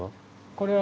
これは？